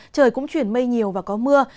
trời cũng chuyển mây nhiều và có mưa